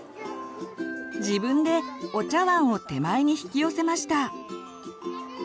自分でお茶わんを手前に引き寄せました。